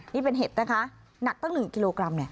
นี่เป็นเห็ดนะคะหนักตั้ง๑กิโลกรัมเนี่ย